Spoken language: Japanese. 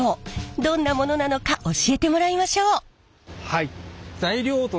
どんなものなのか教えてもらいましょう。